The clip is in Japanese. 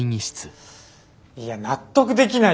いや納得できないよ。